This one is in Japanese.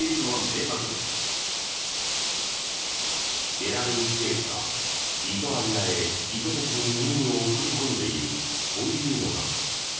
ベラルーシ政府がリトアニアへ意図的に移民を送り込んでいるというのだ。